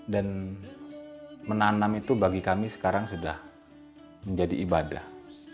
dan menanam itu bagi kami sekarang sudah menjadi ibadah